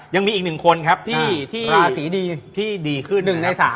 ยังมีอีก๑คนครับที่ดีขึ้น๑ใน๓